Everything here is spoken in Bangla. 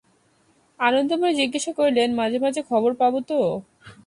আনন্দময়ী জিজ্ঞাসা করিলেন, মাঝে মাঝে খবর পাব তো?